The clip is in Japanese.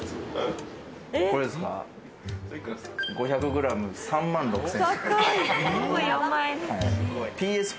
５００ｇ、３万６０００円。